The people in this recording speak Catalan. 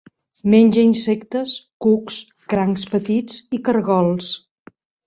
Menja insectes, cucs, crancs petits i caragols.